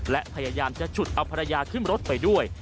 และพยายามจะฉุดเอาภรรยาขึ้นรถไปด้วย